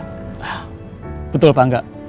ah betul pak angga